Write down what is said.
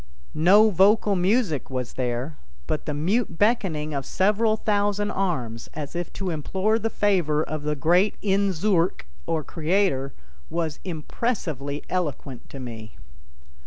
No vocal music was there, but the mute beckoning of several thousand arms, as if to implore the favor of the great Inzoork or Creator, was impressively eloquent to me.